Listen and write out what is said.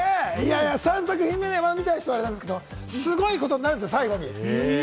３作品目見た人はあれですけど、すごいことになるんですよ、最後に。